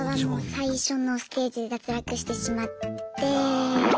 最初のステージで脱落してしまって。